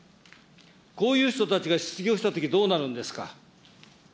こういう人たちが失業したときどうなるんですか。